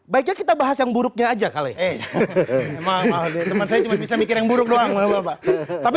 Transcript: baiknya kita bahas yang buruknya aja kali ini cuma bisa mikir yang buruk doang nggak apa apa